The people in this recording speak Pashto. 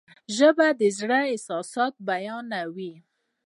ژبه د زړه احساسات بیانوي.